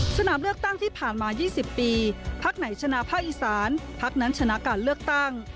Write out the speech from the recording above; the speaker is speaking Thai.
สนามเลือกตั้งที่ผ่านมา๒๐ปีพักไหนชนะภาคอีสานพักนั้นชนะการเลือกตั้ง